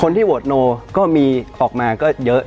คนที่โหวดโนก็มีออกมาเยอะ